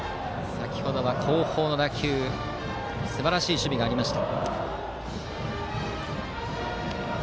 先程は後方の打球にすばらしい守備がありました。